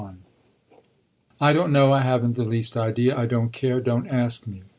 XLI "I don't know; I haven't the least idea; I don't care; don't ask me!"